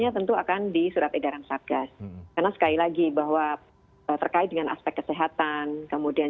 tentu akan di surat edaran satgas karena sekali lagi bahwa terkait dengan aspek kesehatan kemudian